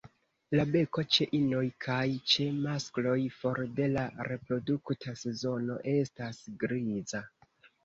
La beko ĉe inoj kaj ĉe maskloj for de la reprodukta sezono estas griza.